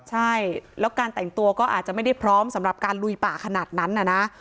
ใช่แล้วการแต่งตัวก็อาจจะไม่ได้พร้อมสำหรับการลุยป่าขนาดนั้นนะ